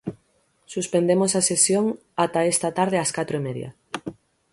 Suspendemos a sesión ata esta tarde ás catro e media.